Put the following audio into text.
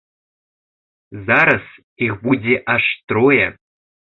Зараз іх будзе аж трое.